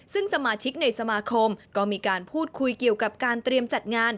ซึ่งสมาชิกในสมาคมก็มีการพูดคุยเกี่ยวกับการเตรียมจัดงาน